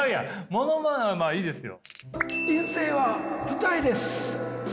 ものまねはまあいいですよ。